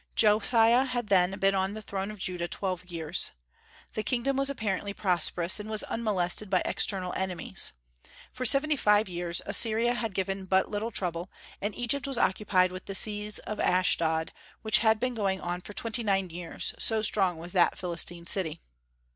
Josiah had then been on the throne of Judah twelve years. The kingdom was apparently prosperous, and was unmolested by external enemies. For seventy five years Assyria had given but little trouble, and Egypt was occupied with the siege of Ashdod, which had been going on for twenty nine years, so strong was that Philistine city.